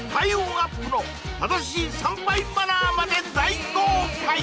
アップの正しい参拝マナーまで大公開